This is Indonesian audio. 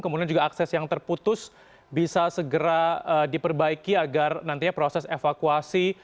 kemudian juga akses yang terputus bisa segera diperbaiki agar nantinya proses evakuasi